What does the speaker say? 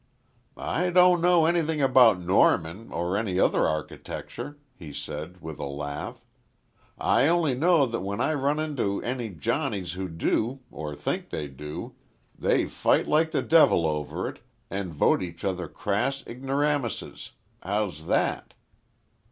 "I don't know anything about Norman, or any other architecture," he said, with a laugh. "I only know that when I run into any Johnnies who do, or think they do they fight like the devil over it, and vote each other crass ignoramuses. How's that?"